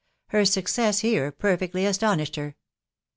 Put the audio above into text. Her success here perfectly astonished her.